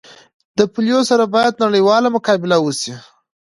د پولیو سره باید نړیواله مقابله وسي